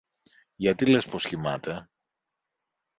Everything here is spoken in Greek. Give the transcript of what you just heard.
Γιατί λες πως κοιμάται;